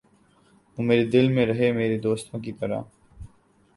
وُہ میرے دل میں رہے میرے دوستوں کی طرح